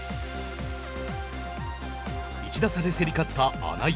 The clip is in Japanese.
１打差で競り勝った穴井。